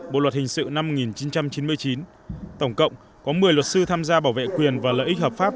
bộ luật hình sự năm một nghìn chín trăm chín mươi chín tổng cộng có một mươi luật sư tham gia bảo vệ quyền và lợi ích hợp pháp